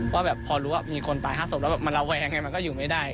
ว่าแบบพอรู้ว่ามีคนตาย๕ศพแล้วมันระแวงไงมันก็อยู่ไม่ได้